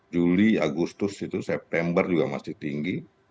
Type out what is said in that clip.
juli agustus itu september juga masih tinggi